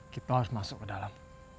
kita harus masuk ke dalam